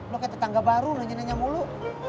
lo kayak tetangga baru nanya nanya mulu